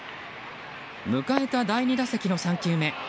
迎えた第２打席の３球目。